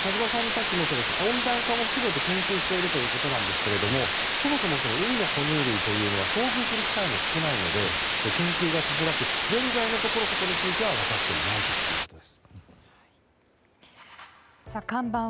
田島さんたちも含め温暖化を含めて研究しているということなんですがそもそも海の哺乳類というのは遭遇する機会も少ないので研究も少なく現在のところは分かっていないということです。